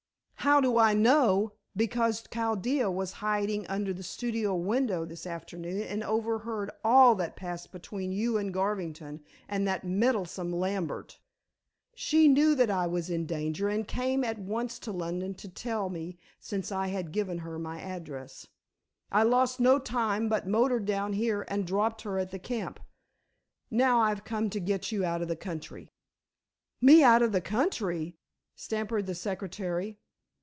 "How do I know? Because Chaldea was hiding under the studio window this afternoon and overheard all that passed between you and Garvington and that meddlesome Lambert. She knew that I was in danger and came at once to London to tell me since I had given her my address. I lost no time, but motored down here and dropped her at the camp. Now I've come to get you out of the country." "Me out of the country?" stammered the secretary.